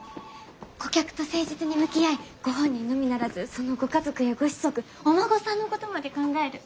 顧客と誠実に向き合いご本人のみならずそのご家族やご子息お孫さんのことまで考える。